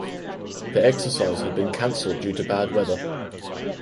The exercise had been cancelled due to bad weather.